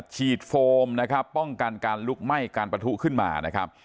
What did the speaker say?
โฟมนะครับป้องกันการลุกไหม้การประทุขึ้นมานะครับ